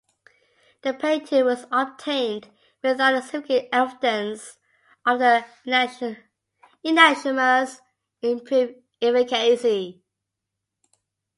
The patent was obtained without significant evidence of the enantiomer's improved efficacy.